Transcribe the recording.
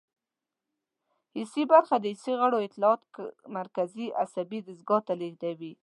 حسي برخه د حسي غړو اطلاعات مرکزي عصبي دستګاه ته لیږدوي.